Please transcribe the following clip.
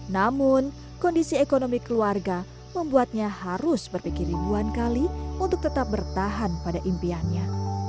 namun kondisi ekonomi keluarga membuatnya harus berpikir ribuan kali untuk tetap bertahan pada impiannya